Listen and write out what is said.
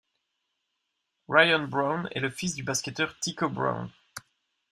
Rion Brown est le fils du basketteur Tico Brown.